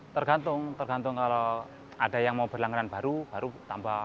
tergantung tergantung kalau ada yang mau berlangganan baru baru tambah